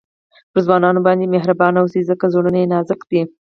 پر ځوانانو باندي مهربانه واوسئ؛ ځکه زړونه ئې نازک دي.